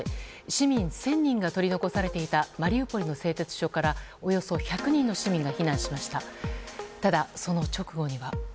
市民１０００人が取り残されていたマリウポリの製鉄所からおよそ１００人の市民が避難しました。